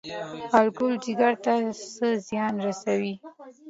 الکول ځیګر ته څه زیان رسوي؟